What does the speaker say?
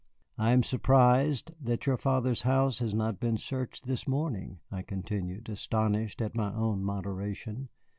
"I am surprised that your father's house has not been searched this morning," I continued, astonished at my own moderation.